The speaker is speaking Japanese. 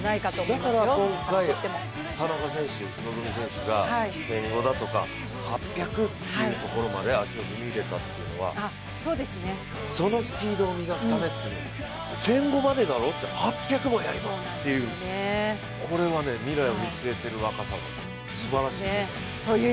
だから今回、田中希実選手が１５００だとか８００というところまで足を踏み入れたというのはそのスピードを磨くためという、１５００までだろ？８００もやりますって、これは未来を見据えている若さ、すばらしいと思います。